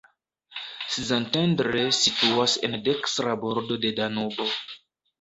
Szentendre situas en dekstra bordo de Danubo.